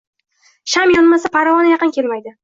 Sham yonmasa, parvona yaqin kelmaydi.